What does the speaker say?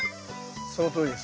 そのとおりです。